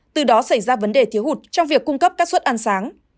từ đó xảy ra vấn đề thiếu hụt trong việc cung cấp các suất ăn sáng